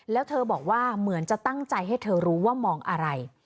แล้วเธอบอกว่าเหมือนจะตั้งใจให้เธอรู้ว่ามองอะไร